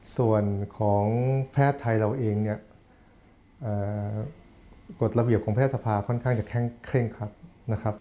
ส่วนของแพทย์ไทยเราเองเนี่ยกฎระเบียบของแพทย์สภาค่อนข้างจะเคร่งครัดนะครับ